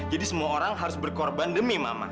jadi semua orang harus berkorban demi mama